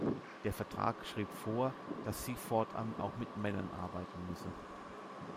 Der Vertrag schrieb vor, dass sie fortan auch mit Männern arbeiten müsse.